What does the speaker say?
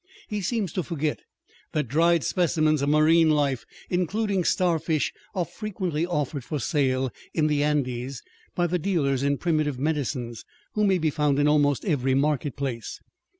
He seems to forget that dried specimens of marine life, including starfish, are frequently offered for sale in the Andes by the dealers in primitive medicines who may be found in almost every market place.